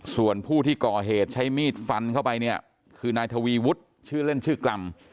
ส่วนผู้ที่ก่อเหตุใช้มีดฟันเข้าไปเนี่ยคือนายทวีวุฒิชื่อเล่นชื่อกล่ำ